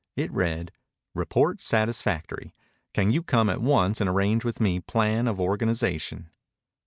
It read: Report satisfactory. Can you come at once and arrange with me plan of organization?